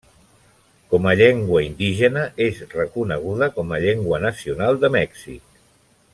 Com a llengua indígena, és reconeguda com a llengua nacional de Mèxic.